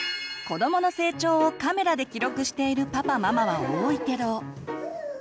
子どもの成長をカメラで記録しているパパママは多いけど。